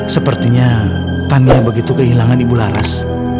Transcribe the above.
sepertinya panja begitu kehilangan ibu laras